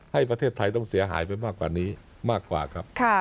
ให้ประเทศไทยต้องเสียหายไปมากกว่านี้มากกว่าครับ